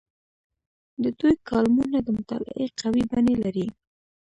د دوی کالمونه د مطالعې قوي بڼې لري.